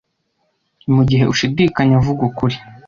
Mugihe ushidikanya vuga ukuri